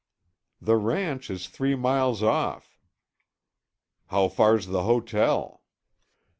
"The ranch is three miles off." "How far's the hotel?"